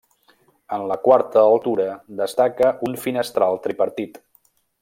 En la quarta altura destaca un finestral tripartit.